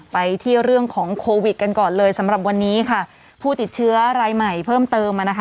ไปที่เรื่องของโควิดกันก่อนเลยสำหรับวันนี้ค่ะผู้ติดเชื้อรายใหม่เพิ่มเติมอ่ะนะคะ